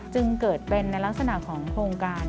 จึงเกิดเป็นในลักษณะของโครงการ